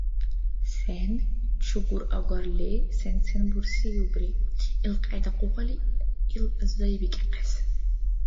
Сен? Чугур агарли, сен-сен бурсииубри илкьяйда къугъали ил зайбикӀахъес?